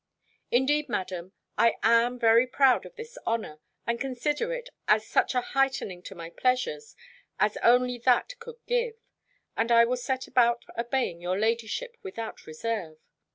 Indeed, Madam, I am very proud of this honour, and consider it as such a heightening to my pleasures, as only that could give; and I will set about obeying your ladyship without reserve.